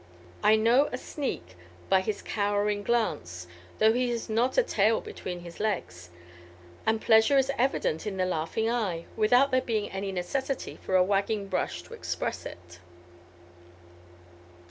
I know a sneak by his cowering glance, though he has not a tail between his legs; and pleasure is evident in the laughing eye, without there being any necessity for a wagging brush to express it.